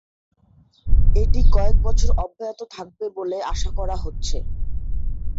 এটি কয়েক বছর অব্যাহত থাকবে বলে আশা করা হচ্ছে।